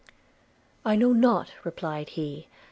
'I know not,' replied he.